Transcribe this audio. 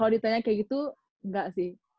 kalau ditanya kayak gitu enggak sih